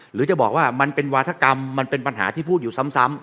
หรือจะบอกว่ามันเป็นวาธกรรมมันเป็นปัญหาที่พูดอยู่ซ้ำ